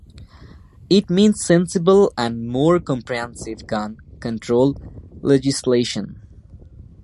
It means sensible and more comprehensive gun control legislation.